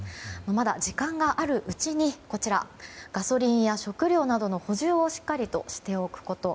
まだ時間があるうちにガソリンや食料などの補充をしっかりとしておくこと。